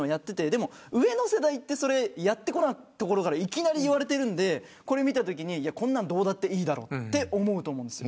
でも上の世代はやってこないところからいきなりいわれているのでこれ見たときに、こんなんどうだっていいだろうと思うと思うんです。